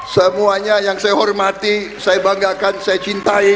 semuanya yang saya hormati saya banggakan saya cintai